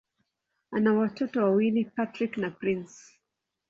Ana watoto wawili: Patrick na Prince.